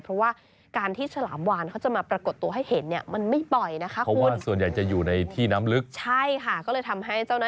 เพราะว่าการที่ฉลามวานเขาจะมาปรากฏตัวให้เห็นเนี่ยมันไม่บ่อยนะคะคุณ